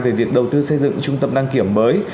về việc đầu tư xây dựng trung tâm đăng kiểm mới